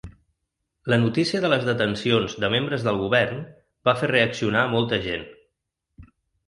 La notícia de les detencions de membres del govern va fer reaccionar molta gent.